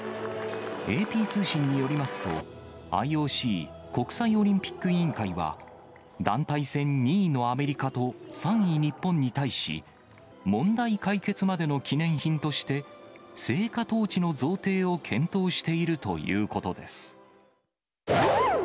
ＡＰ通信によりますと、ＩＯＣ・国際オリンピック委員会は、団体戦２位のアメリカと３位日本に対し、問題解決までの記念品として、聖火トーチの贈呈を検討しているということです。